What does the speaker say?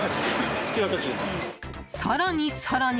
更に更に。